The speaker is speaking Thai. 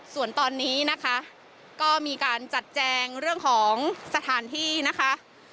ส่วนตอนนี้นะคะก็มีการจัดแจงเรื่องของสถานที่นะคะ